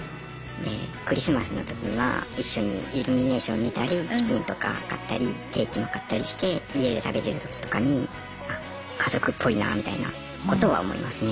でクリスマスのときには一緒にイルミネーション見たりチキンとか買ったりケーキも買ったりして家で食べてるときとかにあっ家族っぽいなみたいなことは思いますね。